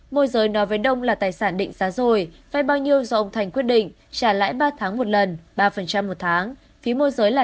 môi giới nói với đông là tài sản định giá rồi vay bao nhiêu do ông thành quyết định trả lãi ba tháng một lần ba một tháng phí môi giới là